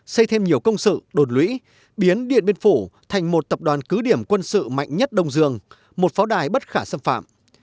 xây thêm nhiều công sự đột lũy biến điện biên phủ thành một tập đoàn cứ điểm quân sự mạnh nhất đông dương một pháo đài bất khả xâm phạm